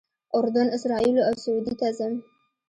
اردن، اسرائیلو او سعودي ته ځم.